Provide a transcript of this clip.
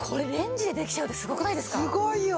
すごいよ。